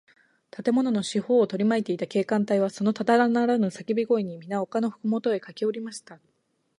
建物の四ほうをとりまいていた警官隊は、そのただならぬさけび声に、みな丘のふもとへかけおりました。